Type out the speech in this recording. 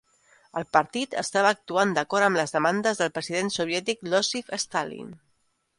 El partit estava actuant d'acord amb les demandes del president soviètic Iósif Stalin.